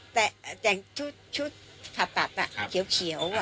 แต่แต่งชุดผับตัดเฉียว